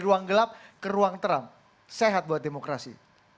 ruang gelap ke ruang trump sehat buat demokrasi